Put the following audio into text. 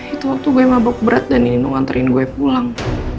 itu waktu gue mabok berat dan nganterin gue pulang